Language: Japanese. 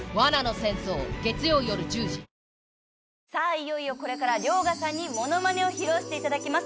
いよいよこれから遼河さんにモノマネを披露していただきます。